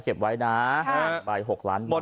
เก็บไว้นะ๕ใบ๖ล้านบาท